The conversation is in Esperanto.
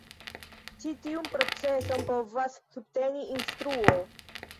Ĉi tiun proceson povas subteni instruo.